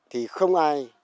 thì không ai